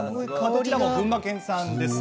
どちらも群馬県産です。